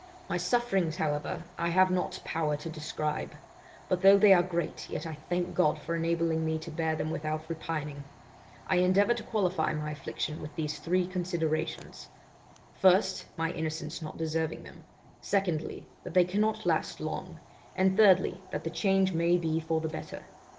'My sufferings, however, I have not power to describe; but though they are great, yet I thank God for enabling me to bear them without repining. I endeavour to qualify my affliction with these three considerations, first, my innocence not deserving them; secondly, that they cannot last long; and thirdly, that the change may be for the better.